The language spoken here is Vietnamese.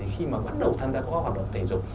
khi mà bắt đầu tham gia các hoạt động thể dục